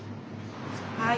はい。